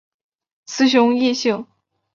雌雄异型。